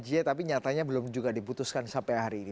j tapi nyatanya belum juga diputuskan sampai hari ini